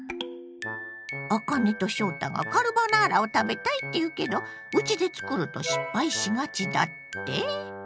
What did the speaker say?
あかねと翔太がカルボナーラを食べたいって言うけどうちでつくると失敗しがちだって？